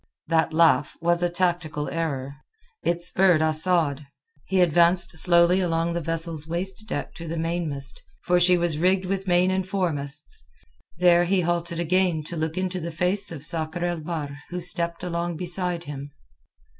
That laugh was a tactical error. It spurred Asad. He advanced slowly along the vessel's waist deck to the mainmast—for she was rigged with main and foremasts. There he halted again to look into the face of Sakr el Bahr who stepped along beside him.